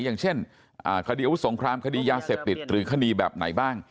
อย่างเช่นคดีอาวุธสงครามคดียาเสพติดหรือคดีแบบไหนบ้าง